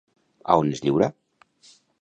A on es lliurà?